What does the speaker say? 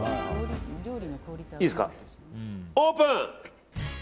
オープン！